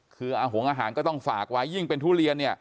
คือหงอาหารก็ต้องฝากไว้